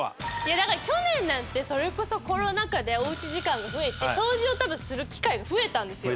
だから去年なんてそれこそコロナ禍でおうち時間が増えて掃除を多分する機会が増えたんですよ。